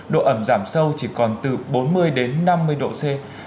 độ ẩm giảm sâu chỉ còn từ bốn mươi đến năm mươi độ c